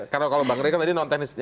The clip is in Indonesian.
karena kalau mbak rai tadi non teknis